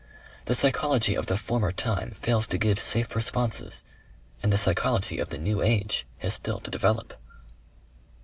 The psychology of the former time fails to give safe responses, and the psychology of the New Age has still to develop."